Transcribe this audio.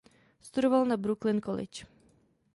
Studoval na Brooklyn College.